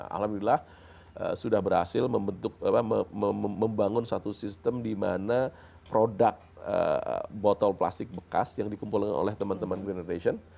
alhamdulillah sudah berhasil membangun satu sistem di mana produk botol plastik bekas yang dikumpulkan oleh teman teman greenecation